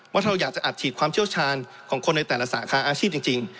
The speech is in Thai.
ว่าเราอยากจะอัดฉีดความเชี่ยวชาญของคนในแต่ละสาขาอาชีพจริง